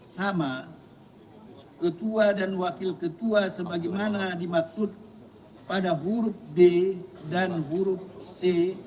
sama ketua dan wakil ketua sebagaimana dimaksud pada huruf b dan huruf c